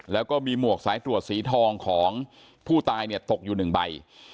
แล้วก็มีหมวกสายตรวจสีทองของผู้ตายเนี่ยตกอยู่๑ใบ